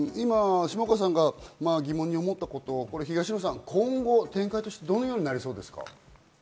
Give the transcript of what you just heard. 下川さんが疑問に思ったこと、東野さん、今後展開としてどのようになりそうですか？